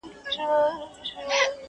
• لاس یې مات وار یې خطا ګذار یې پوچ کړې,